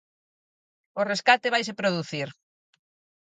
O rescate vaise producir.